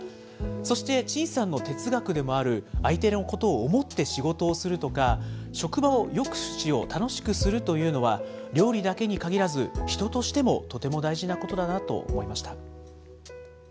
そして、陳さんの哲学でもある相手のことを思って仕事をするとか、職場をよくしよう、楽しくするというのは、料理だけに限らず、人としてもとても大事なことだなと思いました。